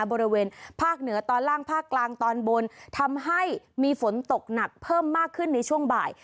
บริเวณภาคเหนือตอนล่างภาคกลางตอนบนทำให้มีฝนตกหนักเพิ่มมากขึ้นในช่วงบ่าย